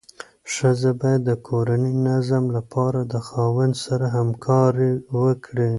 ښځه باید د کورني نظم لپاره د خاوند سره همکاري وکړي.